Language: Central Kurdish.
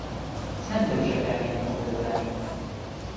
چەند لە وشەکانی ئەم لیستە دەزانیت؟